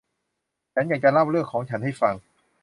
ฉันจะเล่าเรื่องของฉันให้ฟัง